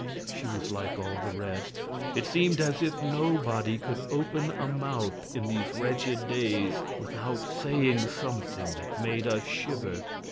She was like all the rest; it seemed as if nobody could open a mouth, in these wretched days, without saying something that made us shiver.